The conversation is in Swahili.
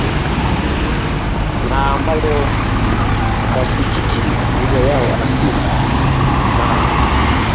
na ambayo hayafikiki lugha yao asili na